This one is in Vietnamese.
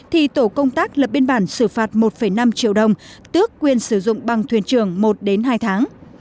thì tổ công tác lập biên bản xử phạt một năm triệu đồng tước quyền sử dụng bằng thuyền trường một hai tháng